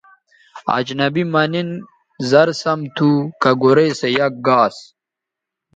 اجنبی مہ نِن زر سَم تھو کہ گورئ سو یک گاس